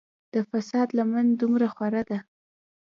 د فساد لمن دومره خوره ده.